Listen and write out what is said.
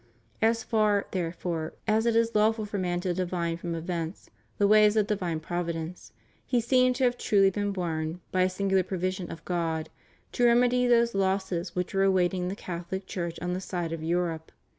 As far, therefore, as it is lawful for man to divine from events the ways of divine Providence, he seemed to have truly been born, by a singular provision of God, to remedy those losses which were awaiting the Catholic Church on the side of Europe.